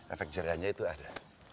efek jariahnya itu ada